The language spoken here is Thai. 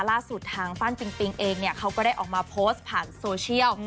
ล่าสุดทางฟ่านปิงปิงเองเนี่ยเขาก็ได้ออกมาโพสต์ผ่านโซเชียล